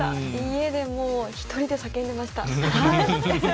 家で１人で叫んでました。